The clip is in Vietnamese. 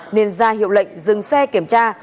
nên ra hiệu lệnh dừng xe kiểm tra